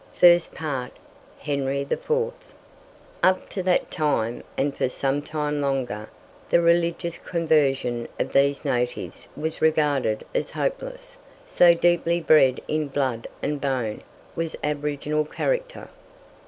First Part Henry IV. Up to that time, and for some time longer, the religious conversion of these natives was regarded as hopeless, so deeply "bred in blood and bone" was aboriginal character.